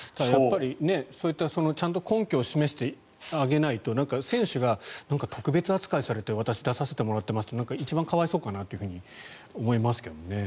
そういった根拠を示してあげないと選手が特別扱いされて私、出させてもらってますって一番可哀想かなって思いますけどね。